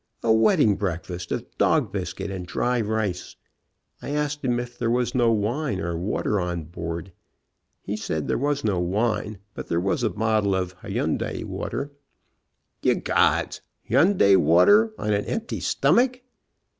A wedding breakfast of dog biscuit and dry rice. I asked him if there was no wine or water on board. He said there was no wine, but there was a bottle of Hunyadi water. Ye gods ! Hunyadi water on an empty stomach.